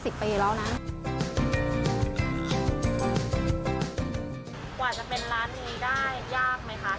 กว่าจะเป็นร้านนี้ได้ยากไหมคะ